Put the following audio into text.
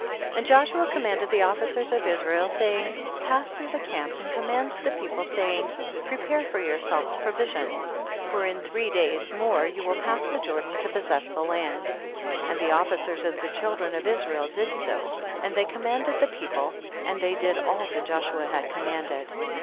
5. And Joshua commanded the officers of Israel, saying, pass through the camp and command the people, saying, prepare for yourselves pro visions, for in three days more you will pass the Jordan to possess the land. 6. And the officers of the children of Israel did so, and they commanded the people and they did all that Joshua had commanded.